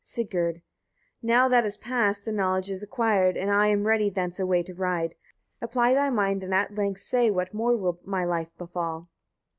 Sigurd. 18. Now that is past, the knowledge is acquired, and I am ready thence away to ride. Apply thy mind, and at length say what more will my life befall.